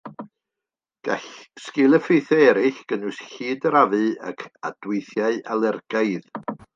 Gall sgil-effeithiau eraill gynnwys llid yr afu ac adweithiau alergaidd.